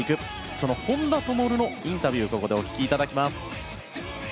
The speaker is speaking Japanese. その本多灯のインタビューをお聞きいただきます。